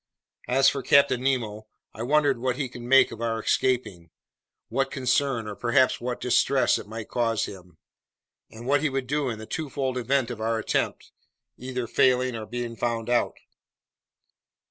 As for Captain Nemo, I wondered what he would make of our escaping, what concern or perhaps what distress it might cause him, and what he would do in the twofold event of our attempt either failing or being found out!